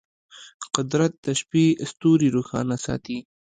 قدرت د شپې ستوري روښانه ساتي.